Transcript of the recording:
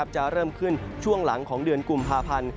จะเริ่มขึ้นช่วงหลังของเดือนกุมภาพันธ์